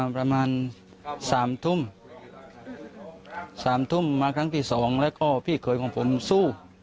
ประมาณ๓ทุ่ม๓ทุ่มมาครั้งที่๒แล้วก็พี่เขยของผมสู้